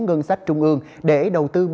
ngân sách trung ương để đầu tư